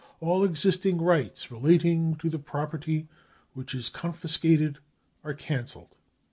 All existing rights relating to* the property which is , confiscated are cancelled.